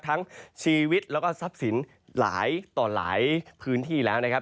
ทั้งชีวิตแล้วก็ทรัพย์สินหลายต่อหลายพื้นที่แล้วนะครับ